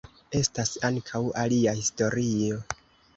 Estas ankaŭ alia historio.